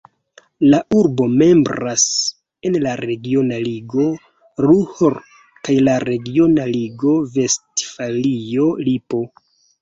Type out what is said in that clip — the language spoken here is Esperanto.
La urbo membras en la regiona ligo Ruhr kaj la regiona ligo Vestfalio-Lipo.